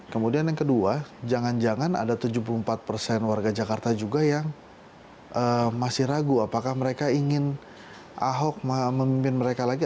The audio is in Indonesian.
kemudian yang kedua jangan jangan ada tujuh puluh empat persen warga jakarta juga yang masih ragu apakah mereka ingin ahok memimpin mereka lagi